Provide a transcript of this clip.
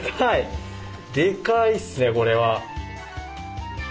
デカいっすねこれは。